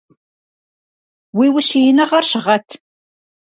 Уи ущииныгъэр щыгъэт!